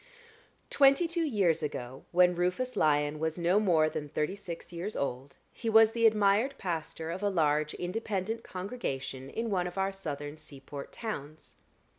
Twenty two years ago, when Rufus Lyon was no more than thirty six years old, he was the admired pastor of a large Independent congregation in one of our southern seaport towns.